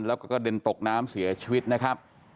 แล้วก็กระเด็นตกน้ำเสียชีวิตนะครับ